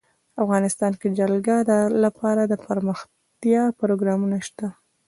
افغانستان کې د جلګه لپاره دپرمختیا پروګرامونه شته.